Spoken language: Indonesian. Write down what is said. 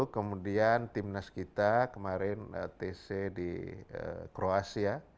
kemudian timnas kita kemarin tc di kroasia